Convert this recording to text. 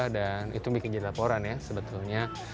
dan itu bikin jadi laporan ya sebetulnya